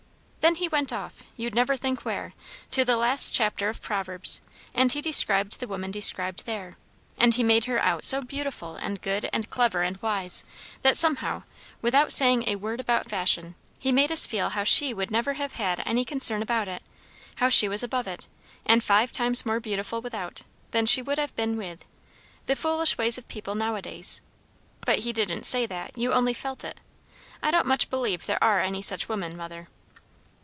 "Then he went off, you'd never think where to the last chapter of Proverbs; and he described the woman described there; and he made her out so beautiful and good and clever and wise, that somehow, without saying a word about fashion, he made us feel how she would never have had any concern about it; how she was above it, and five times more beautiful without, than she would have been with, the foolish ways of people now a days. But he didn't say that; you only felt it. I don't much believe there are any such women, mother."